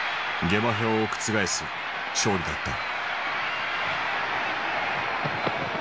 下馬評を覆す勝利だった。